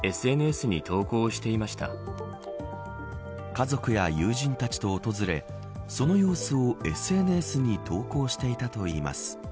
家族や友人たちと訪れその様子をＳＮＳに投稿していたといいます。